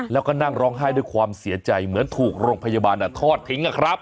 แล้วก็นั่งร้องไห้ด้วยความเสียใจเหมือนถูกโรงพยาบาลทอดทิ้ง